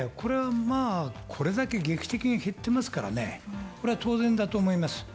これだけ劇的に減ってますからね当然だと思います。